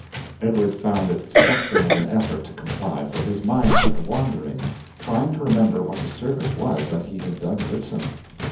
Edward found it something of an effort to comply, for his mind kept wandering trying to remember what the service was that he had done Goodson.